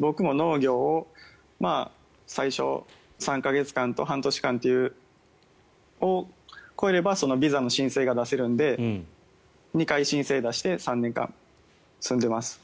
僕も農業を最初３か月間と半年間というのを超えればビザの申請が出せるので２回申請を出して３年間住んでいます。